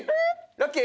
ラッキー？